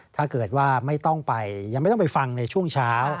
ถ้าเกิดว่าไม่ต้องไปยังไม่ต้องไปฟังในช่วงเช้า